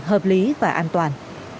hợp lý và an toàn